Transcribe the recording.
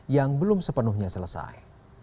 yang belum sepenuhnya selesai